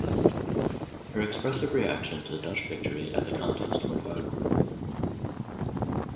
Her expressive reaction to the Dutch victory at the contest went viral.